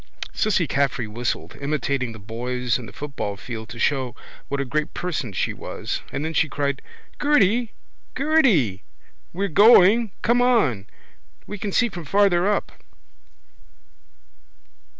Cissy Caffrey whistled, imitating the boys in the football field to show what a great person she was: and then she cried: —Gerty! Gerty! We're going. Come on. We can see from farther up.